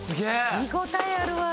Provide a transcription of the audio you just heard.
見応えあるわ。